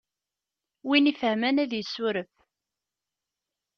Win ifhmen ad yessuref.